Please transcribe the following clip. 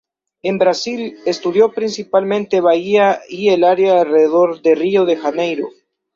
En Brasil, estudió principalmente Bahia y el área alrededor de Rio de Janeiro.